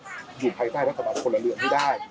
อยู่ภายใต้รัฐบาลคนละเดือนให้ได้